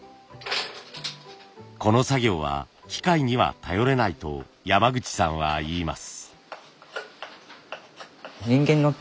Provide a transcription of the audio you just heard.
この作業は機械には頼れないと山口さんは言います。